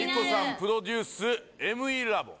プロデュースＭＥラボン